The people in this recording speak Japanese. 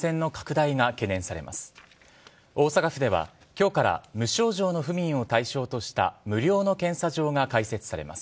大阪府では今日から無症状の府民を対象とした無料の検査所が開設されます。